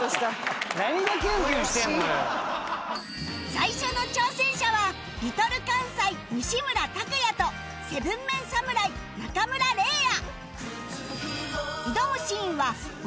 最初の挑戦者は Ｌｉｌ かんさい西村拓哉と ７ＭＥＮ 侍中村嶺亜